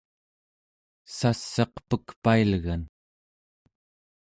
sass'aq pekpailgan